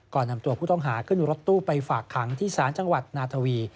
นำตัวผู้ต้องหาขึ้นรถตู้ไปฝากขังที่ศาลจังหวัดนาทวี